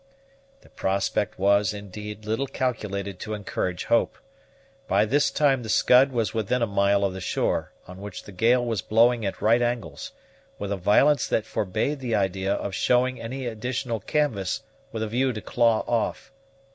The prospect was, indeed, little calculated to encourage hope. By this time the Scud was within a mile of the shore, on which the gale was blowing at right angles, with a violence that forbade the idea of showing any additional canvas with a view to claw off.